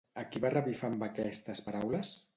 A qui va revifar amb aquestes paraules?